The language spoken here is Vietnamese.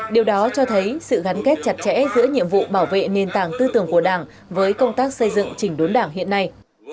điều đó cho thấy sự gắn kết chặt chẽ giữa nhiệm vụ bảo vệ nền tảng tư tưởng của đảng với công tác xây dựng chỉnh đốn đảng hiện nay